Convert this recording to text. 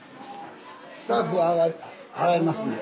スタッフは払いますね。